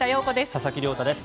佐々木亮太です。